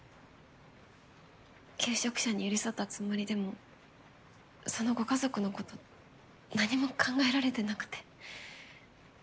求職者に寄り添ったつもりでもそのご家族のこと何も考えられてなくて。